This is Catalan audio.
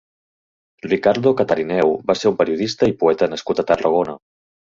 Ricardo Catarineu va ser un periodista i poeta nascut a Tarragona.